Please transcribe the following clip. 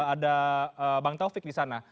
ada bang taufik di sana